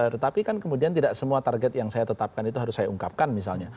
tetapi kan kemudian tidak semua target yang saya tetapkan itu harus saya ungkapkan misalnya